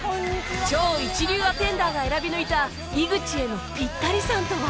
超一流アテンダーが選び抜いた井口へのピッタリさんとは？